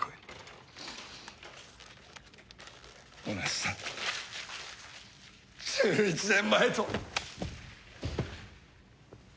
同じだ１１年前と！